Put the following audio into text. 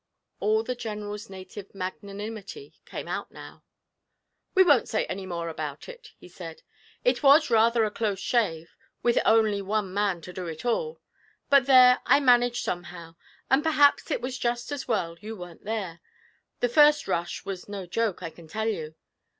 All the General's native magnanimity came out now. 'We won't say any more about it,' he said. 'It was rather a close shave, with only one man to do it all. But, there, I managed somehow, and perhaps it was just as well you weren't there. The first rush was no joke, I can tell you.'